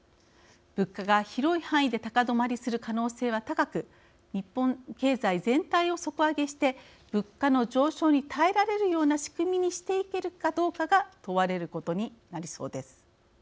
物価が広い範囲で高止まりする可能性は高く日本経済全体を底上げして物価の上昇に耐えられるような仕組みにしていけるかどうかが問われることになりそうです。